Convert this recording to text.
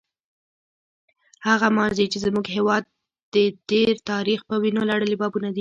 هغه ماضي چې زموږ هېواد د تېر تاریخ په وینو لړلي بابونه لري.